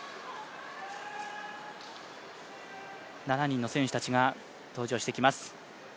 ７人の選手たちが登場してきます。